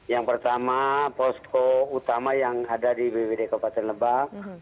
yang pertama posko utama yang ada di bwd kabupaten lebak